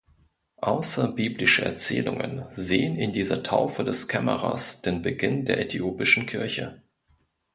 Außerbiblische Erzählungen sehen in dieser Taufe des Kämmerers den Beginn der äthiopischen Kirche.